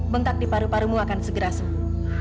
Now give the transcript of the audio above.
bentak di paru parumu akan segera sembuh